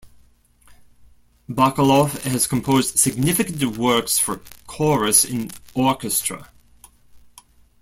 Bacalov has composed significant works for chorus and orchestra.